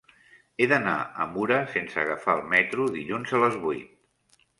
He d'anar a Mura sense agafar el metro dilluns a les vuit.